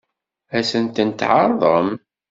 Ad sent-tent-tɛeṛḍem?